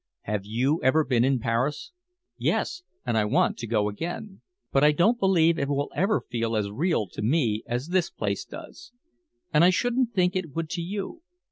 "Have you ever been in Paris?" "Yes and I want to go again. But I don't believe it will ever feel as real to me as this place does. And I shouldn't think it would to you.